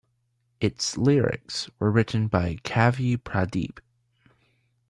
Its lyrics were written by Kavi Pradeep.